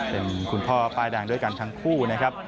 เป็นคุณพ่อป้ายด่างด้วยกันทั้งคู่